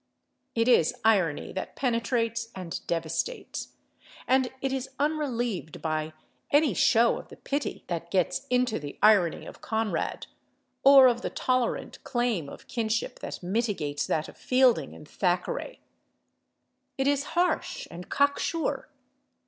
It is irony that penetrates and devastates, and it is unrelieved by any show of the pity that gets into the irony of Conrad, or of the tolerant claim of kinship that mitigates that of Fielding and Thackeray. It is harsh and cocksure.